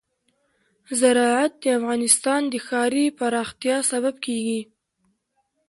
زراعت د افغانستان د ښاري پراختیا سبب کېږي.